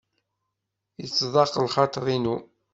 Yettḍaq lxaḍer-inu.